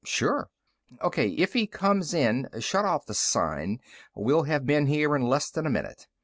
"Sure." "O.K. If he comes in, shut off the sign. We'll have men here in less than a minute.